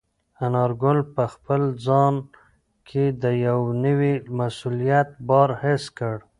انارګل په خپل ځان کې د یو نوي مسولیت بار حس کړ.